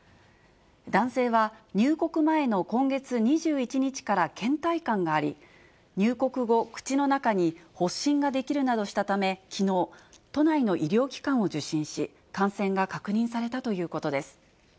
男性は入国前の今月２１日からけん怠感があり、入国後、口の中に発疹が出来るなどしたため、きのう、都内の医療機関を受診し、感染が確認されたということです。